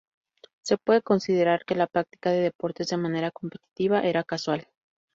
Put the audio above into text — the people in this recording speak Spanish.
Se puede considerar que la práctica de deportes de manera competitiva era casual.